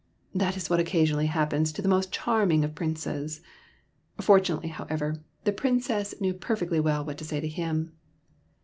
That is what occasionally happens to the most charming of princes. Fortunately, however, the Princess knew perfectly well what to say to him.